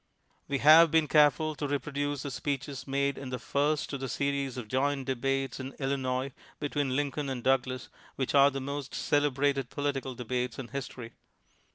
We have been careful to reproduce the speeches made in the first of the series of joint debates in Illinois between Lincoln and Doug las which are the most celebrated political de bates in history.